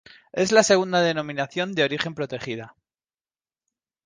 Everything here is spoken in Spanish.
Es la segunda denominación de origen protegida.